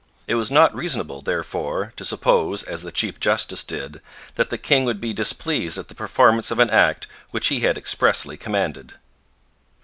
It was not reasonable, therefore, to suppose, as the chief justice did, that the king would be displeased at the performance of an act which he had expressly commanded.